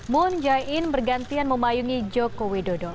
mun jai in bergantian memayungi joko widodo